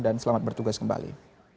dan selamat bertugas kembali